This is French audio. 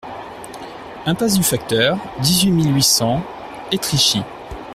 Impasse du Facteur, dix-huit mille huit cents Étréchy